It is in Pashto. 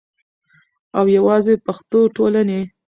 او یواځی پښتو ټولنې